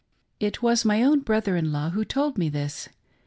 It was my own brother in law who told me this.